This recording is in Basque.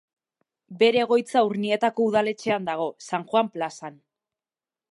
Bere egoitza Urnietako udaletxean dago, San Juan plazan.